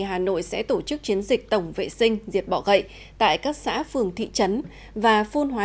hà nội sẽ tổ chức chiến dịch tổng vệ sinh diệt bỏ gậy tại các xã phường thị trấn và phun hóa